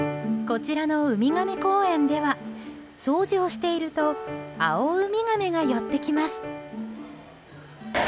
こちらのウミガメ公園では掃除をしているとアオウミガメが寄ってきます。